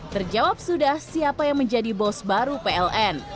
terjawab sudah siapa yang menjadi bos baru pln